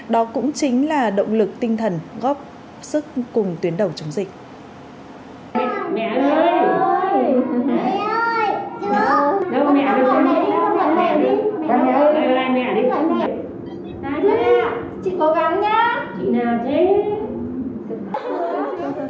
đó cũng chính là động lực tinh thần góp sức cùng tuyến đầu chống dịch